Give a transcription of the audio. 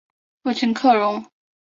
父朱克融。